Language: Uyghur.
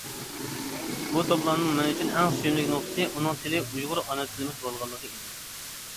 بۇ توپلامنىڭ مەن ئۈچۈن ئەڭ سۆيۈملۈك نۇقتىسى ئۇنىڭ تىلى ئۇيغۇر ئانا تىلىمىز بولغانلىقى ئىدى.